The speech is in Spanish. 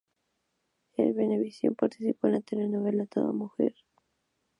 En Venevisión participó en la telenovela Toda Mujer.